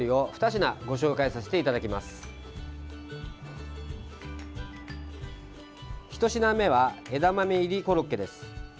１品目は枝豆入りコロッケです。